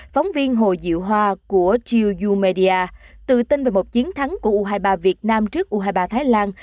phóng viên hồ diệu hoa của chiu yu media tự tin về một chiến thắng của u hai mươi ba việt nam trước u hai mươi ba thái lan